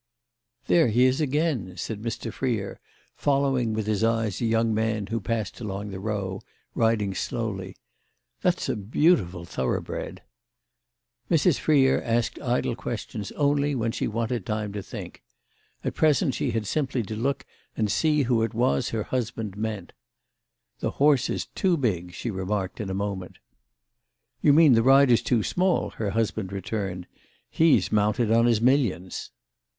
"There he is again!" said Mr. Freer, following with his eyes a young man who passed along the Row, riding slowly. "That's a beautiful thoroughbred!" Mrs. Freer asked idle questions only when she wanted time to think. At present she had simply to look and see who it was her husband meant. "The horse is too big," she remarked in a moment. "You mean the rider's too small," her husband returned. "He's mounted on his millions."